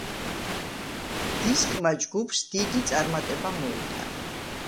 დისკმა ჯგუფს დიდი წარმატება მოუტანა.